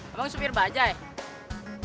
abang supir bajaj